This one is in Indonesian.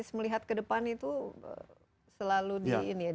pak sis melihat ke depan itu selalu dijaga kan ya